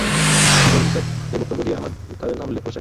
Ibn Ishaq এ বক্তব্য দিয়ে তাদের নামও উল্লেখ করেছেন।